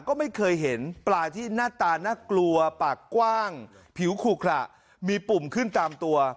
ก็ไม่เคยเห็นปลาที่หน้าตาน่ากลัวปากกว้างผิวขุขระมีปุ่มขึ้นตามตัว